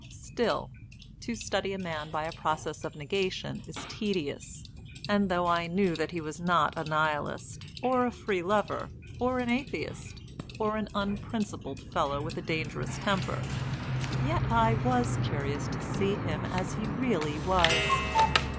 Still, to study a man by a process of negation is tedious, and though I knew that he was not a Nihilist, or a free lover, or an atheist, or an unprincipled fellow with a dangerous temper, yet I was curious to see him as he really was.